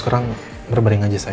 eh kok lo ada disini sih